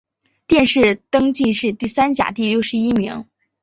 殿试登进士第三甲第六十一名。